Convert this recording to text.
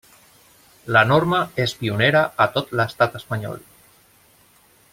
La norma és pionera a tot l'Estat Espanyol.